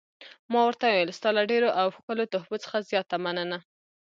ما ورته وویل: ستا له ډېرو او ښکلو تحفو څخه زیاته مننه.